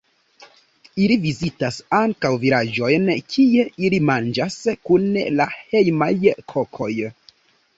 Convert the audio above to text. Ili vizitas ankaŭ vilaĝojn kie ili manĝas kun la hejmaj kokoj.